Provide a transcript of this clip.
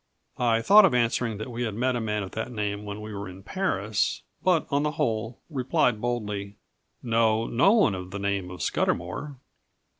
I thought of answering that we had met a man of that name when we were in Paris; but, on the whole, replied boldly: "Know no one of the name of Scudamour."